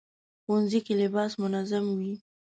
ښوونځی کې لباس منظم وي